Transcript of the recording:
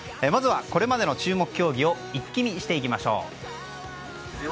まずはこれまでの注目競技を一気見していきましょう。